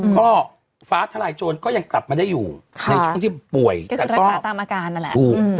ก็ฟ้าทลายโจรก็ยังกลับมาได้อยู่ในช่วงที่ป่วยแต่ก็ตามอาการนั่นแหละถูก